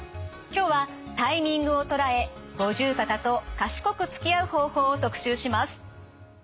今日はタイミングを捉え五十肩と賢くつきあう方法を特集します。